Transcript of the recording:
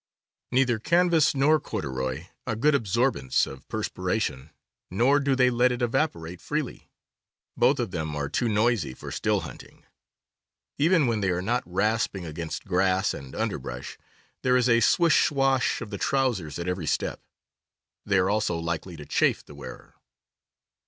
Neither canvas nor corduroy are good absorbents of perspira tion, nor do they let it evaporate freely. Both of them 11 12 CAMPING AND WOODCRAFT are too noisy for still hunting. Even when they are not rasping against grass and underbush, there is a swish swash of the trousers at every step. They are also likely to chafe the wearer.